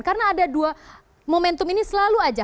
karena ada dua momentum ini selalu aja